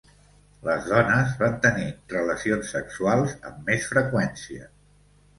Les dones van tenir relacions sexuals amb més freqüència.